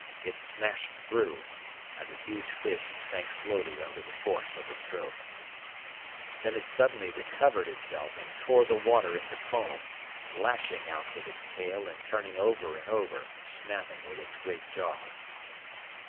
It smashed through, and the huge fish sank slowly under the force of the stroke. Then it suddenly recovered itself and tore the water into foam, lashing out with its tail and turning over and over, snapping with its great jaws.